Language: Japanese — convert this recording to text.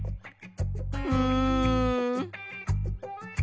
うん。